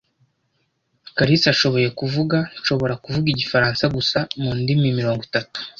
kalisa ashoboye kuvuga "Nshobora kuvuga Igifaransa gusa" mu ndimi mirongo itatu.